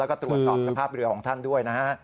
แล้วก็ตรวจสอบสภาพเรือของท่านด้วยนะฮะ